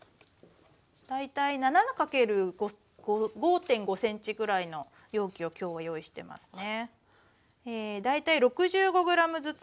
大体７×５．５ｃｍぐらいの容器を今日は用意してますね。